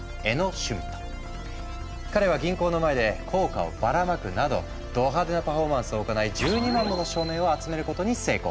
彼は銀行の前で硬貨をばらまくなどど派手なパフォーマンスを行い１２万もの署名を集めることに成功。